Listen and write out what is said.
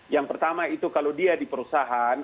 yang pertama itu kalau dia di perusahaan